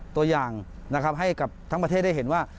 ตัวอย่างนะครับให้กับทั้งประเทศได้เห็นว่า